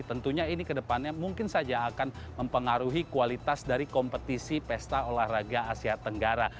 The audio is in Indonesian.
tentunya ini kedepannya mungkin saja akan mempengaruhi kualitas dari kompetisi pesta olahraga asia tenggara